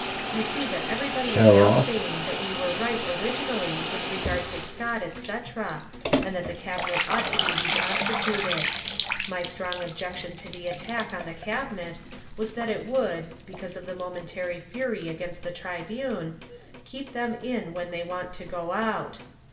You see that everybody is now saying that we were right originally with regard to Scott, etc., and that the Cabinet ought to be reconstituted. My strong ob jection to the attack on the Cabinet was that it would (be cause of the momentary fury against the "Tribune") keep them in when they want to go out.